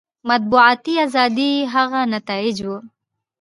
مطبوعاتي ازادي یې هغه نتایج وو.